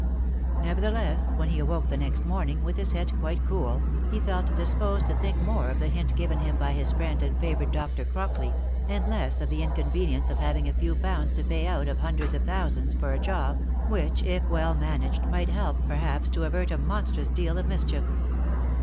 Nevertheless, when he awoke the next morning with his head quite cool, he felt disposed to think more of the hint given him by his friend and favourite Dr. Crockley, and less of the inconvenience of having a few pounds to pay out of hundreds of thousands for a job, which, if well managed, might help, perhaps, to avert a monstrous deal of mischief.